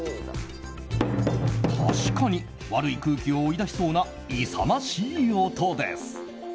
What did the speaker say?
確かに、悪い空気を追い出しそうな勇ましい音です。